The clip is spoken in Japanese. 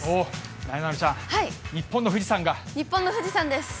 なえなのちゃん、日本の富士日本の富士山です。